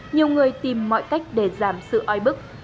nhiều người tìm mọi cách để giảm sự oi bức